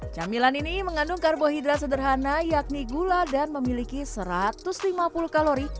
camilan ini mengandung karbohidrat sederhana yakni gula dan memiliki satu ratus lima puluh kalori